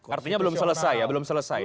artinya belum selesai ya belum selesai